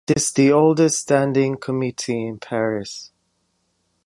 It is the oldest standing committee in Paris.